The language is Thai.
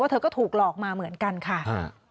เธอก็ถูกหลอกมาเหมือนกันค่ะ